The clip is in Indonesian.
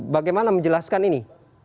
bagaimana menjelaskan ini